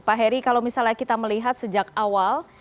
pak heri kalau misalnya kita melihat sejak awal